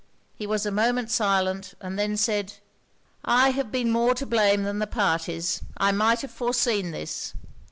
He was a moment silent, and then said 'I have been more to blame than the parties. I might have foreseen this.